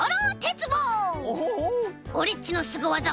オレっちのすごわざ